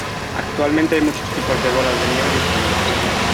Actualmente, hay muchos diversos tipos de bolas de nieve disponibles.